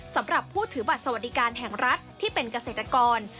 สำหรับผู้ถือบัตรสวัสดิการแห่งรัฐที่เป็นเกษตรกร